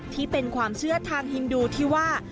ที่เป็นความเชื่อทางฮินดูที่ว่า